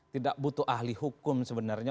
tidak butuh ahli hukum sebenarnya